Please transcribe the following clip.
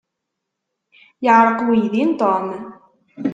Yeɛreq uydi n Tom.